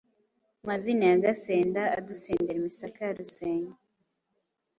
Mazina ya Gasenda, Adusendera imisaka ya Rusenge!